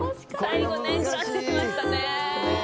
最後ぐらってしましたね。